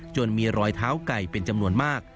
มีรอยเท้าไก่เป็นจำนวนมาก